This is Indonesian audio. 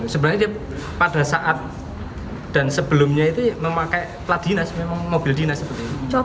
sebenarnya dia pada saat dan sebelumnya itu memakai plat dinas memang mobil dinas seperti itu